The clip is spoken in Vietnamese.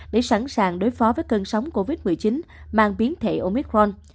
để sẵn sàng đối phó với cơn sóng covid một mươi chín mang biến thể omicron